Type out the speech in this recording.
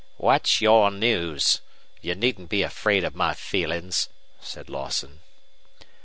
"What's your news? You needn't be afraid of my feelings," said Lawson.